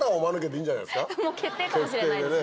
もう決定かもしれないですね。